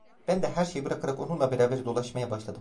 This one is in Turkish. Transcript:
Ben de her şeyi bırakarak onunla beraber dolaşmaya başladım.